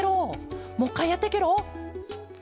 もう１かいやってケロ。